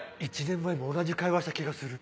１年前も同じ会話した気がする。